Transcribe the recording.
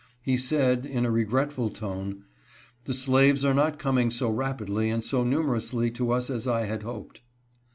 He said, in a regretful tone, " The slaves are not coming so rapidly and so numerously to us as I had hoped."